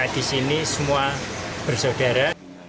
di sini semua bersaudara